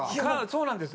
そうなんです。